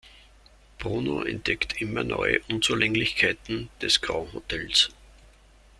Bruno entdeckt immer neue Unzulänglichkeiten des Grand-Hotels.